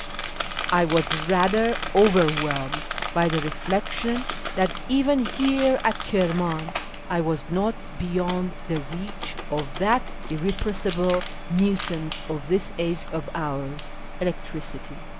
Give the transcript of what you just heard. I was ratlier overwhelmed by the reflection that even here at Kirman I was not beyond the reach of that irrepressible nuisance of this age of ours, electricity.